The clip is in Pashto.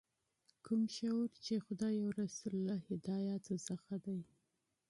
کوم شعور چې د خدای او رسول له هدایاتو څخه دی.